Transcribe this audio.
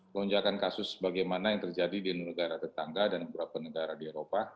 lonjakan kasus bagaimana yang terjadi di negara tetangga dan beberapa negara di eropa